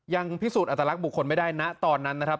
ยังพิสูจน์อัตลักษณ์บุคคลไม่ได้ณตอนนั้นนะครับ